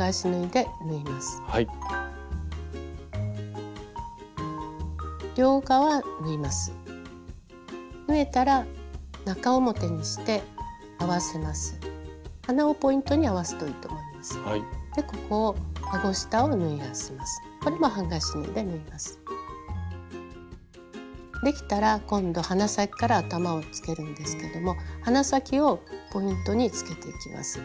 できたら今度鼻先から頭をつけるんですけども鼻先をポイントにつけていきます。